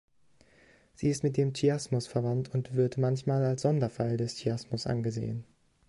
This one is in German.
Sie ist mit dem Chiasmus verwandt und wird manchmal als Sonderfall des Chiasmus angesehen.